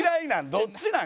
どっちなん？